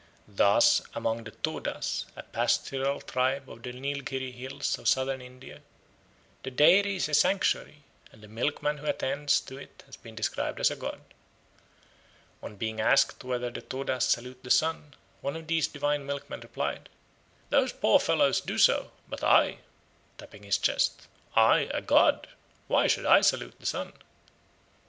Thus amongst the Todas, a pastoral people of the Neilgherry Hills of Southern India, the dairy is a sanctuary, and the milkman who attends to it has been described as a god. On being asked whether the Todas salute the sun, one of these divine milkmen replied, "Those poor fellows do so, but I," tapping his chest, "I, a god! why should I salute the sun?"